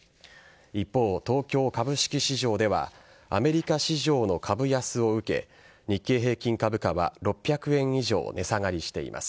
一方、東京株式市場ではアメリカ市場の株安を受け日経平均株価は６００円以上値下がりしています。